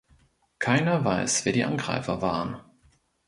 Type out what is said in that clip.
Keiner weiß, wer die Angreifer waren.